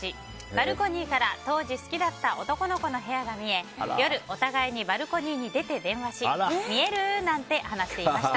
バルコニーから当時好きだった男の子の部屋が見え夜、お互いにバルコニーに出て電話し見える？なんて話していました。